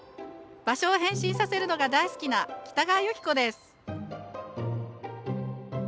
場所を変身させるのが大好きなきたがわゆきこです。